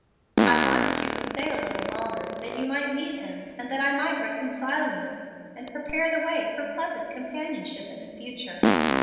I wanted you to stay a little longer, that you might meet him, and that I might reconcile you, and prepare the way for pleasant companionship in the future.